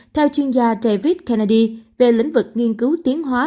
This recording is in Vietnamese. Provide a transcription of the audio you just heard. theo chuyên gia travis kennedy về lĩnh vực nghiên cứu tiến hóa